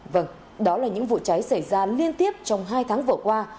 vâng đó là những vụ cháy xảy ra liên tiếp trong hai tháng vừa qua